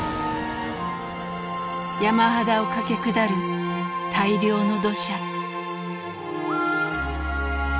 山肌をかけ下る大量の土砂。